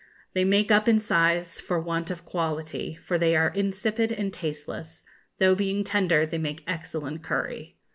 They make up in size for want of quality, for they are insipid and tasteless, though, being tender, they make excellent curry.